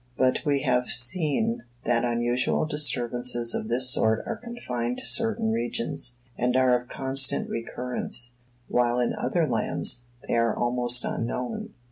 But we have seen that unusual disturbances of this sort are confined to certain regions, and are of constant recurrence; while in other lands, they are almost unknown.